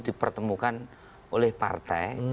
dipertemukan oleh partai